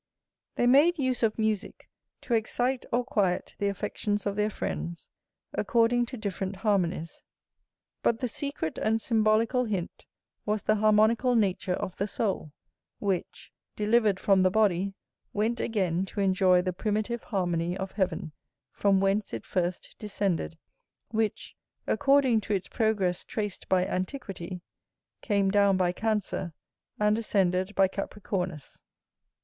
They made use of musick to excite or quiet the affections of their friends, according to different harmonies. But the secret and symbolical hint was the harmonical nature of the soul; which, delivered from the body, went again to enjoy the primitive harmony of heaven, from whence it first descended; which, according to its progress traced by antiquity, came down by Cancer, and ascended by Capricornus.